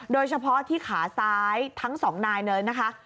โดยเฉพาะที่ขาซ้ายทั้งสองนายเลยนะคะ